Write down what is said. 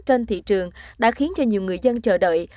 trên thị trường đã khiến cho nhiều người dân chờ đợi